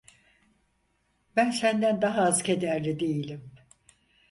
Ben senden daha az kederli değilim.